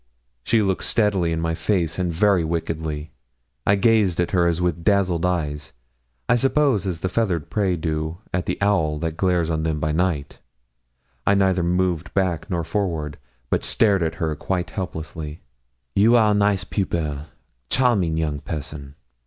She looked steadily in my face and very wickedly. I gazed at her as with dazzled eyes I suppose as the feathered prey do at the owl that glares on them by night. I neither moved back nor forward, but stared at her quite helplessly. 'You are nice pupil charming young person!